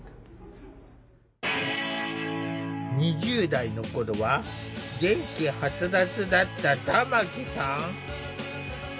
２０代の頃は元気はつらつだった玉木さん。